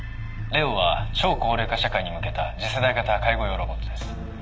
ＬＥＯは超高齢化社会に向けた次世代型介護用ロボットです。